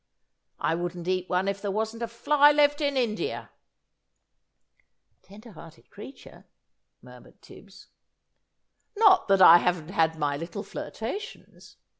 I wouldn't eat one if there wasn't a fly left in India!" "Tender hearted creature!" murmured Tibbs. "Not that I haven't had my little flirtations!"